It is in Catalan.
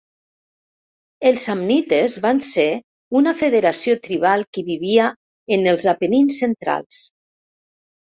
Els samnites van ser una federació tribal que vivia en els Apenins centrals.